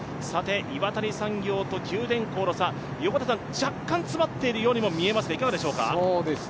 岩谷産業と九電工の差、若干詰まっているように見えますが、いかがでしょうか？